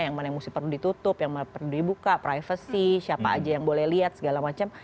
yang mana yang perlu ditutup yang mana perlu dibuka privacy siapa aja yang boleh lihat segala macam